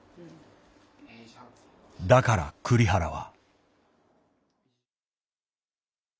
だから栗原は。